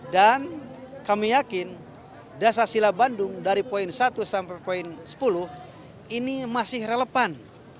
dan kami yakin dasar sila bandung dari poin satu sampai poin sepuluh ini masih relevan